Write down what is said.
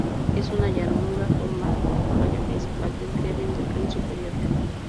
Es una llanura formada por la falla principal del graben del Rin Superior.